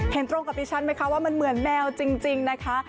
เห็นตรงกับดิฉันไหมคะว่ามันเหมือนแมวจริงนะคะ